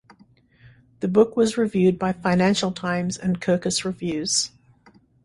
The book was reviewed by "Financial Times" and "Kirkus Reviews".